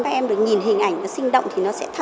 các em được nhìn hình ảnh nó sinh động thì nó sẽ thật hơn